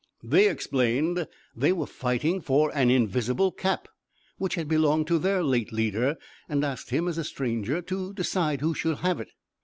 They explained that they were fighting for an invisible cap, which had belonged to their late leader; and asked him, as a stranger, to decide who should have it.